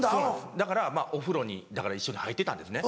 だからお風呂に一緒に入ってたんですね。